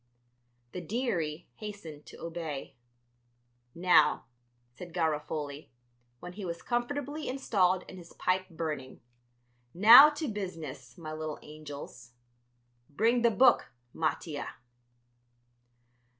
The "dearie" hastened to obey. "Now," said Garofoli, when he was comfortably installed and his pipe burning; "now to business, my little angels. Bring the book, Mattia."